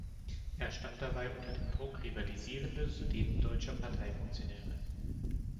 Er stand dabei unter dem Druck rivalisierender sudetendeutscher Parteifunktionäre.